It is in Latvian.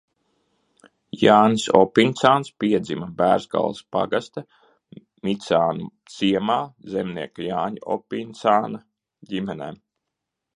Jānis Opincāns piedzima Bērzgales pagasta Micānu ciemā zemnieka Jāņa Opincāna ģimenē.